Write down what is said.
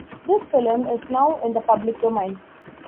This film is now in the public domain.